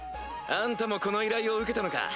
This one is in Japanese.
あんたもこの依頼を受けたのか。